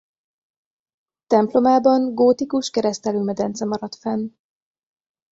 Templomában gótikus keresztelőmedence maradt fenn.